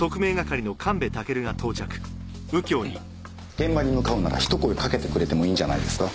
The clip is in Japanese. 現場に向かうならひと声かけてくれてもいいんじゃないですか？